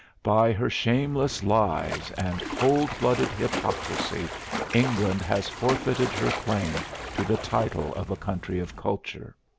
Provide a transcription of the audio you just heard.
By her shameless lies and cold blooded hypocrisy England has forfeited her claim to the title of a country of culture.